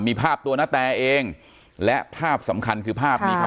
มีภาพตัวนาแตเองและภาพสำคัญคือภาพนี้ครับ